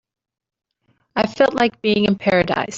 I felt like being in paradise.